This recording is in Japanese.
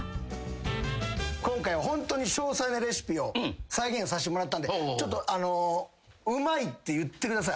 今回はホントに詳細なレシピを再現させてもらったんで「うまい」って言ってください